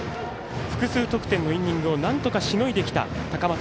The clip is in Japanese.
複数得点のイニングをなんとかしのいできた高松